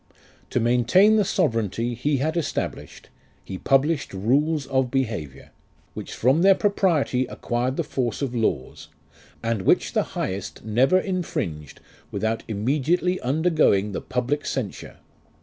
To maintain the sovereignty he had established, He published Rules of behaviour, Which from their propriety, acquired the force of laws ; And which the highest never infringed, without immediately undergoing the public censure.